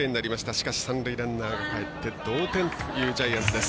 しかし三塁ランナーがかえって同点というジャイアンツです。